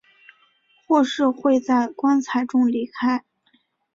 或是会在棺材中离开。